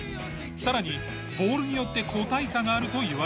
更にボールによって個体差があるといわれている。